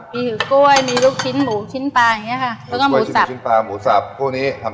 มีถือกล้วยมีลูกชิ้นหมูชิ้นปลาอย่างเงี้ยค่ะแล้วก็หมูสับลูกชิ้นหมูชิ้นปลาหมูสับ